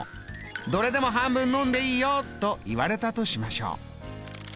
「どれでも半分飲んでいいよ」と言われたとしましょう。